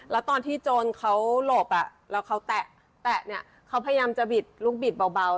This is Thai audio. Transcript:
แล้วตอนที่โจรเขาหลบแล้วเขาแตะเนี่ยเขาพยายามจะบิดลูกบิดเบา